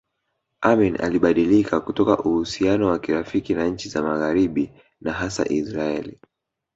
Amin alibadilika kutoka uhusiano wa kirafiki na nchi za magharibi na hasa Israeli